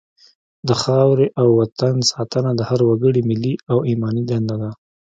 د خاورې او وطن ساتنه د هر وګړي ملي او ایماني دنده ده.